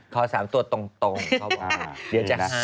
ขอสามตัวตรงเดี๋ยวจะให้